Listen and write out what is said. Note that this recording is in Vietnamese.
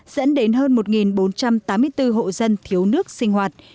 dẫn đến hơn một bốn trăm tám mươi bốn hộ dân thiếu nước sinh hoạt